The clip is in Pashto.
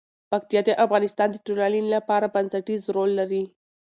پکتیا د افغانستان د ټولنې لپاره بنسټيز رول لري.